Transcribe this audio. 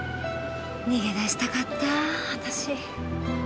逃げ出したかった私。